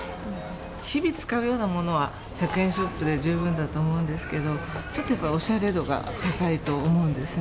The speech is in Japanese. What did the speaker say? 日々使うようなものは１００円ショップで十分だと思うんですけど、ちょっとやっぱり、おしゃれ度が高いと思うんですね。